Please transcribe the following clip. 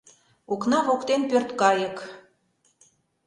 Окна воктен пӧрткайык.